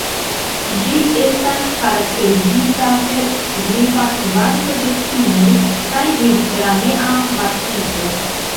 Ĝi estas karakterizita per signifa kvanto de pinoj kaj mediteranea makiso.